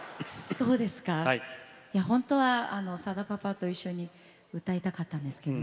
本当は、さだパパと一緒に歌いたかったんですけどね。